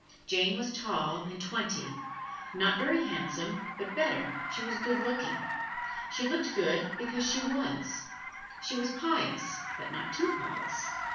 Jane was tall, and twenty not very handsome, but better, she was good looking. She looked good because she was. She was pious, but not too pious.